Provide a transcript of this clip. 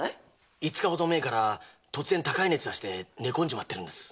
五日ほど前から突然高い熱だして寝込んじまってるんです。